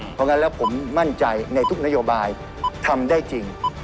เพราะงั้นแล้วผมมั่นใจในทุกนโยบายทำได้จริง